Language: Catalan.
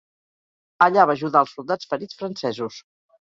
Allà va ajudar els soldats ferits francesos.